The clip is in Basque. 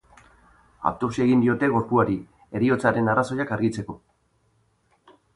Autopsia egingo diote gorpuari, heriotzaren arrazoiak argitzeko.